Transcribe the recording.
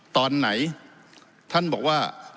ตอนไหนท่านบอกว่า